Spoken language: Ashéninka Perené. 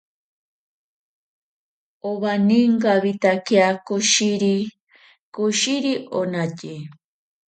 Owaninkawitakia koshiri koshiri onatye.